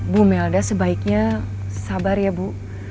bu melda sebaiknya sabar ya bu